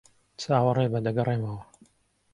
چاوەڕێبە. دەگەڕێمەوە.